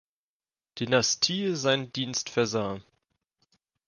Dynastie seinen Dienst versah.